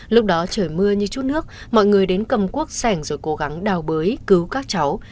lúc đó trời mưa như chút nước mọi người đến cầm cuốc sẻng rồi cố gắng đào bới cứu các cháu